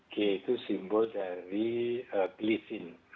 g itu simbol dari glisin